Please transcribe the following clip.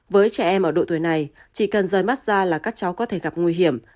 với trẻ em ở độ tuổi này chỉ cần rời mắt ra là các cháu có thể gặp nguy hiểm